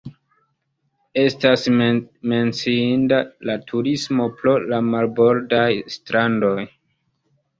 Estas menciinda la turismo pro la marbordaj strandoj.